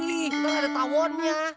ntar ada tawonnya